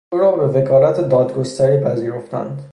او را به وکالت دادگستری پذیرفتند.